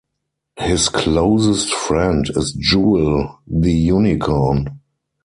His closest friend is Jewel the Unicorn.